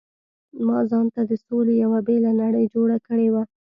ما ځانته د سولې یو بېله نړۍ جوړه کړې وه.